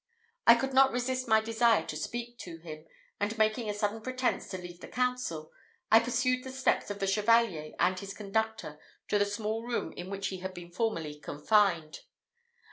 I could not resist my desire to speak to him, and making a sudden pretence to leave the council, I pursued the steps of the Chevalier and his conductor to the small room in which he had been formerly confined.